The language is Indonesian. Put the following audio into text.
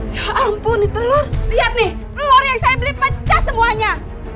hmm ampun nih telur lihat nih telur yang saya beli pecah semuanya